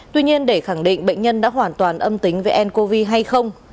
tuy nhiên để khẳng định bệnh nhân đã hoàn toàn âm tính với n cov hay không